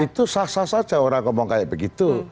itu sah sah saja orang ngomong kayak begitu